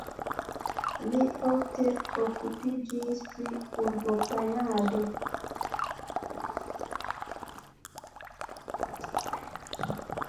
Li ofte okupiĝis pri urboplanado.